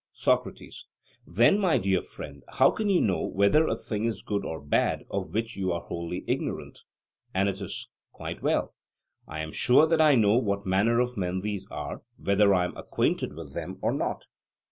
SOCRATES: Then, my dear friend, how can you know whether a thing is good or bad of which you are wholly ignorant? ANYTUS: Quite well; I am sure that I know what manner of men these are, whether I am acquainted with them or not.